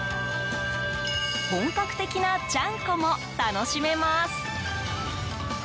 本格的なちゃんこも楽しめます。